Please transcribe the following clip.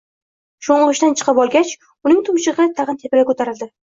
Sho‘ng‘ishdan chiqib olgach, uning tumshug‘i tag‘in tepaga ko‘tarildi